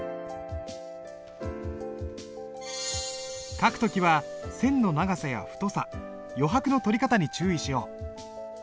書く時は線の長さや太さ余白の取り方に注意しよう。